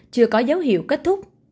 chưa có dấu hiệu kết thúc